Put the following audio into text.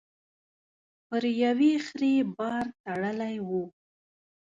پر يوې خرې بار تړلی و.